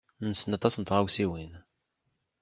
Nessen aṭas n tɣawsiwin.